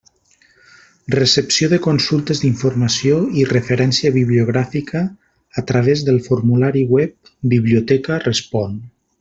Recepció de consultes d'informació i referència bibliogràfica a través del formulari web «Biblioteca respon».